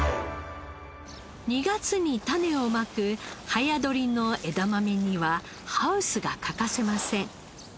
２月に種をまく早採りの枝豆にはハウスが欠かせません。